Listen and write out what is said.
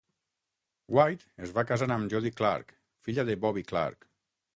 White es va casar amb Jody Clarke, filla de Bobby Clarke.